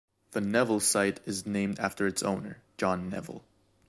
The Neville site is named after its owner, John Neville.